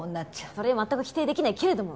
それは全く否定できないけれども。